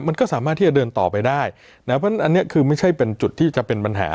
มันก็สามารถที่จะเดินต่อไปได้นะเพราะฉะนั้นอันนี้คือไม่ใช่เป็นจุดที่จะเป็นปัญหา